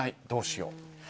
どうしよう。